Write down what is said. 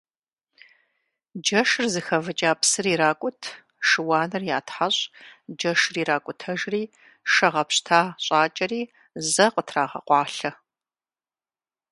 Джэшыр зыхэвыкӀа псыр иракӀут, шыуаныр ятхьэщӀ, джэшыр иракӀутэжри, шэ гъэпщта щӀакӀэри, зэ къытрагъэкъуалъэ.